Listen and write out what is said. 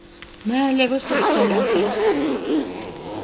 Mēle vysur ceļa atrass.